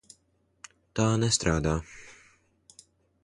Tā nestrādā.